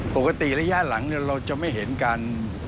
ปกติแล้วย่างหลังเนี่ยเราจะไม่เห็นการ